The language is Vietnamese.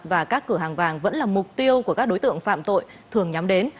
và các cửa hàng vàng vẫn là mục tiêu của các đối tượng phạm tội thường nhắm đến